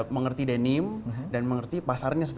mengerti denim dan mengerti pasarnya